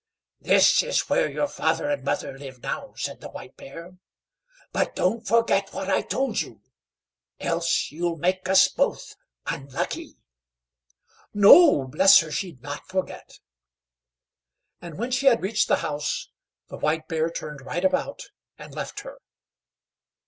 "This is where your father and mother live now," said the White Bear; "but don't forget what I told you, else you'll make us both unlucky." "No! bless her, she'd not forget;" and when she had reached the house, the White Bear turned right about and left her.